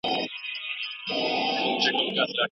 ممیز بې انګورو نه جوړیږي.